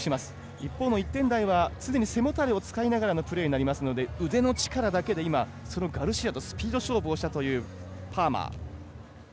一方の１点台は常に背もたれを使いながらのプレーになりますので腕の力だけで、ガルシアとスピード勝負をしたというパーマー。